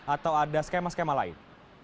atau ada skema skema lain